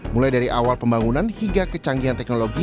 mulai dari awal pembangunan hingga kecanggihan teknologi